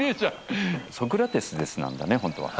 「ソクラテスです」なんだねホントは。